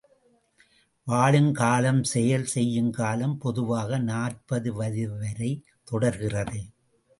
வாழும் காலம் செயல் செய்யும் காலம் பொதுவாக நாற்பது வயது வரை தொடர்கிறது.